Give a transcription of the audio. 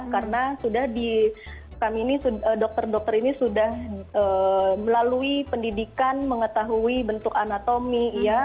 karena dokter dokter ini sudah melalui pendidikan mengetahui bentuk anatomi